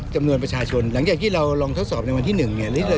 จำนวนประชาชนหลังจากที่เราลองทดสอบในวันที่๑เนี่ย